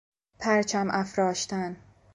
پرچم افراشتن